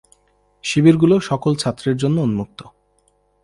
শিবিরগুলো সকল ছাত্রের জন্য উন্মুক্ত।